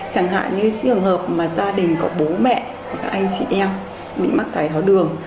chẳng hạn như trường hợp mà gia đình có bố mẹ các anh chị em bị mắc đài tháo đường